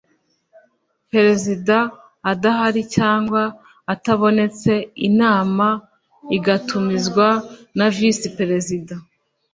perezida adahari cyangwa atabonetse, inama igatumizwa na visi perezida